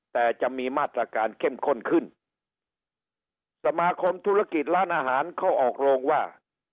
แต่จะมีมาตรการเข้มข้นขึ้นสมาคมธุรกิจร้านอาหารเขาออกโรงว่า